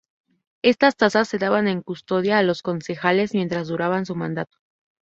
Estas tazas se daban en custodia a los concejales mientras duraba su mandato.